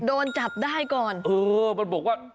โดนจับได้ก่อนเออมันบอกว่า